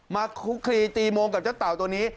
คลุกคลีตีมงกับเจ้าเต่าตัวนี้